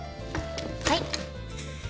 はい。